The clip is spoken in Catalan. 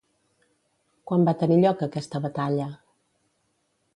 Quan va tenir lloc aquesta batalla?